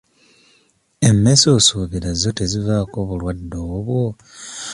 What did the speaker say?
Emmese osuubira zo tezivaako bulwadde obwo?